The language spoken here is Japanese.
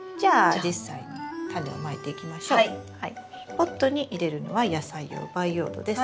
ポットに入れるのは野菜用培養土です。